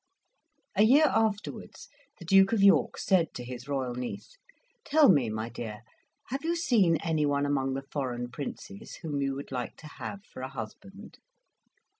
A year afterwards, the Duke of York said to his royal niece, "Tell me, my dear, have you seen anyone among the foreign princes whom you would like to have for a husband?"